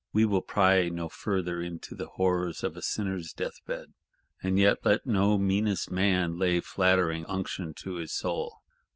—We will pry no further into the horrors of a sinner's death bed. And yet let no meanest man lay flattering unction to his soul.